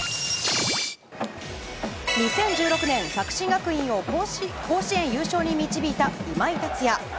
２０１６年、作新学院を甲子園優勝に導いた今井達也。